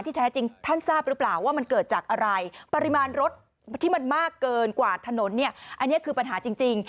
แต่คำถามต่อคือรถที่ไม่มีใครใช้